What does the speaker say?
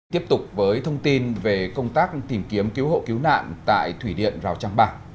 tiếp tục với thông tin về công tác tìm kiếm cứu hộ cứu nạn tại thủy điện rào trang ba